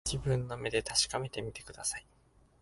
自分の目で確かめてください